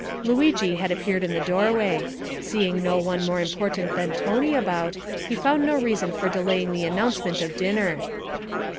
Luigi had appeared in the doorway. Seeing no one more important than Tony about, he found no reason for delaying the announcement of dinner.